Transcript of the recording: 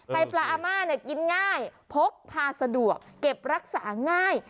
ปลาอาม่ากินง่ายพกพาสะดวกเก็บรักษาง่าย